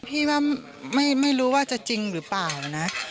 พี่ว่าไม่รู้ว่าจะจริงหรือเปล่านะ